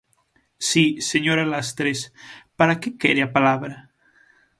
Si, señora Lastres, ¿para que quere a palabra?